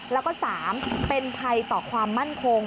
แล้วก็๓เป็นภัยต่อความมั่นคง